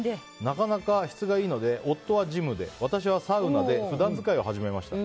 なかなか質がいいので夫がジムで私はサウナで普段使いを始めました。